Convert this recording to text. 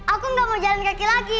aku nggak mau jalan kaki lagi